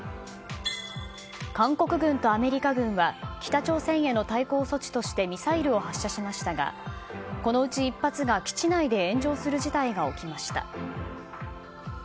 韓国軍とアメリカ軍は北朝鮮への対抗措置としてミサイルを発射しましたがこのうち１発が基地内で炎上する事態が起きました。